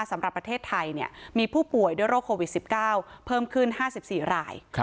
สำหรับประเทศไทยมีผู้ป่วยด้วยโรคโควิด๑๙เพิ่มขึ้น๕๔ราย